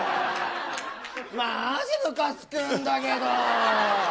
マジむかつくんだけど。